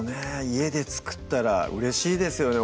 家で作ったらうれしいですよね